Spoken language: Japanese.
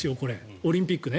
オリンピックね。